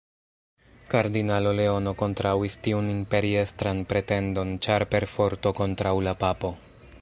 Kardinalo Leono kontraŭis tiun imperiestran pretendon ĉar perforto kontraŭ la papo.